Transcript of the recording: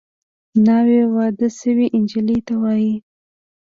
ناوې واده شوې نجلۍ ته وايي